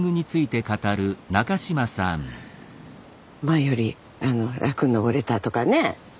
前より楽に登れたとかね